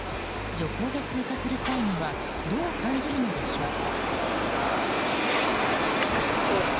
徐行で通過する際にはどう感じるのでしょうか。